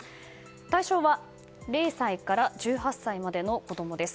対象は０歳から１８歳までの子供です。